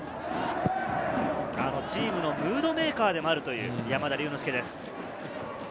チームのムードメーカーでもあるという山田龍之介です。